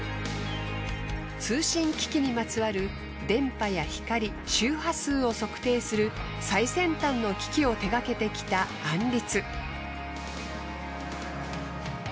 通信機器にまつわる電波や光周波数を測定する最先端の機器を手がけてきたアンリツ。